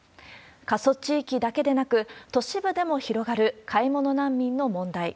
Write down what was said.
過疎地域だけでなく、都市部でも広がる買い物難民の問題。